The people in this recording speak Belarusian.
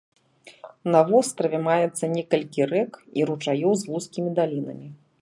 На востраве маецца некалькі рэк і ручаёў з вузкімі далінамі.